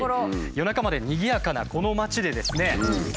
夜中までにぎやかなこの街でですね